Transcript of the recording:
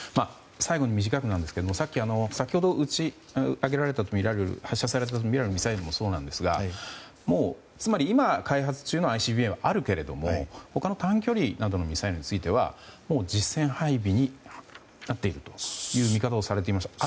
最後、短くですが先ほど打ち上げられたとみられるミサイルもそうなんですがつまり今、開発中のＩＣＢＭはあるけれども他の短距離などのミサイルについては実戦配備になっているという見方をされていましたか。